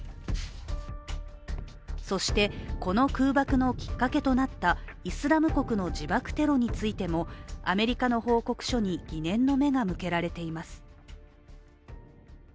そして、この空爆のきっかけとなったイスラム国の自爆テロについてもアメリカの報告書に疑念の目が向けられています。